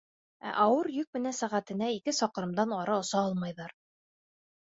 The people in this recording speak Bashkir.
Ә ауыр йөк менән сәғәтенә ике саҡрымдан ары оса алмайҙар.